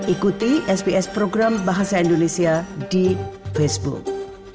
ikuti sps program bahasa indonesia di facebook